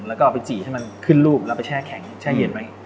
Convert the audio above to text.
แล้วก็เอาไปจี่ให้มันขึ้นรูปแล้วไปแช่แข็งแช่เย็นไว้